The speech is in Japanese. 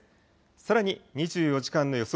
さらに２４時間の予想